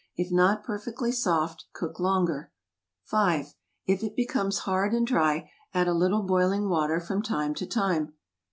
If not perfectly soft, cook longer. 5. If it becomes hard and dry, add a little boiling water from time to time.